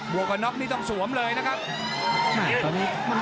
บวกกับน็อกต้องสวมเลยครับ